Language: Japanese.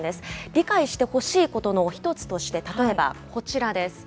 理解してほしいことの１つとして例えばこちらです。